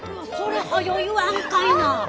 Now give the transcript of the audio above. それはよ言わんかいな！